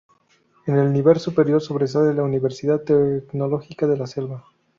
En el nivel superior sobresale La Universidad Tecnológica De La Selva.